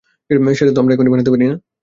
সেটা তো আমরা এখনই বানাতে পারি।